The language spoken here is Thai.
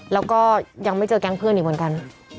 แล้วก็ยังไม่เจอแก๊งเพื่อนอีกเหมือนกัน